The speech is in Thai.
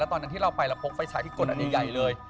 ตอนนั้นที่เราไปแล้วพกไฟฉายที่กลอันใหญ่เลย